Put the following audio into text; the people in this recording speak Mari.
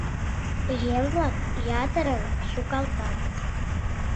Еҥ-влак ятырын сукалтат.